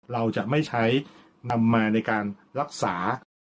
เราจะไม่ใช้นำมาในการรักษา